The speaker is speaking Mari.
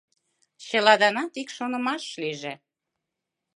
Чыладанат ик шонымаш лийже.